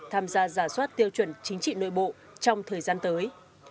tham gia giả soát tiêu chuẩn chính trị nội bộ trong thời gian tới